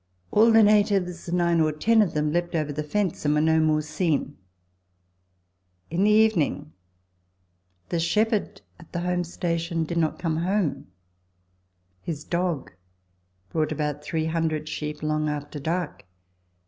All the natives, nine or ten of them, leaped over the fence and were no more seen. In the evening, the shepherd at the home station did not come home ; his dog brought about 300 sheep long after dark.